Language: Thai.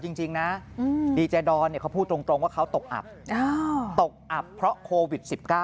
ดูสิว่านายจะทำยังไง